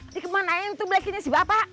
dikemanain tuh blacky nya si bapak